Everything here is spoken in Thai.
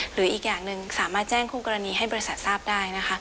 หรืออีกอย่างหนึ่งสามารถแจ้งคู่กรณีให้บริษัททราบได้นะคะ